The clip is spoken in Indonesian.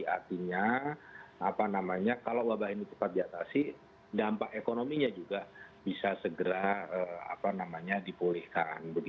artinya kalau wabah ini cepat diatasi dampak ekonominya juga bisa segera dipulihkan